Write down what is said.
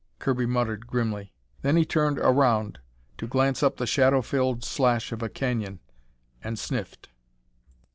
Kirby muttered grimly. Then he turned around to glance up the shadow filled slash of a canyon, and sniffed.